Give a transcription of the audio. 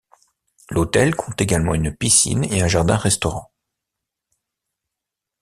L'hôtel compte également une piscine et un jardin-restaurant.